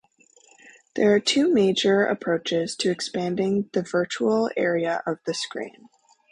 There are two major approaches to expanding the virtual area of the screen.